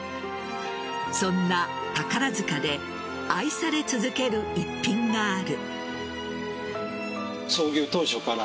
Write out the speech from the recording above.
そんな宝塚で愛され続ける一品がある。